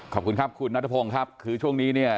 ขอบคุณครับคุณนัทพงศ์ครับคือช่วงนี้เนี่ย